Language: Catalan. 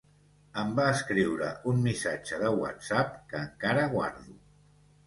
Em va escriure un missatge de WhatsApp que encara guardo